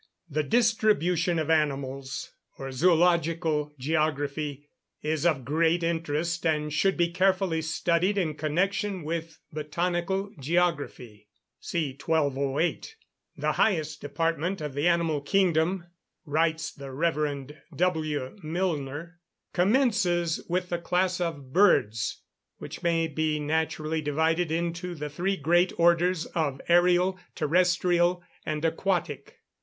The distribution of animals, or Zoological Geography, is of great interest, and should be carefully studied in connection with Botanical Geography (see 1208). The highest department of the animal kingdom (writes the Rev. W. Milner) commences with the class of Birds, which may be naturally divided into the three great orders of ærial, terrestrial, and aquatic.